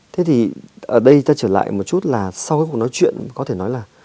thế thì ở đây ta trở lại một chút là sau cái cuộc nói chuyện có thể nói là